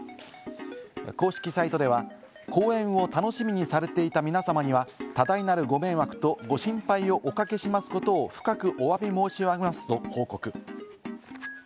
公式サイトでは、公演を楽しみにされていた皆さまには、多大なるご迷惑とご心配をおかけしますことを深くお詫び申し上げますと報告。